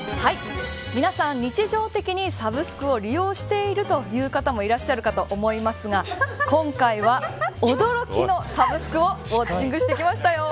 皆さん、日常的にサブスクを利用しているという方もいらっしゃるかと思いますが今回は驚きのサブスクをウォッチングしてきましたよ。